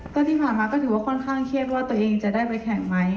ก็ที่ผ่านมาก็ถือว่าค่อนข้างเครียดว่าตัวเองจะได้ไปแข่งไหม